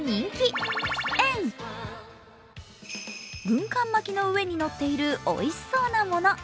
軍艦巻きの上に乗っているおいしそうなもの。